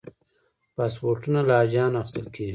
پاسپورتونه له حاجیانو اخیستل کېږي.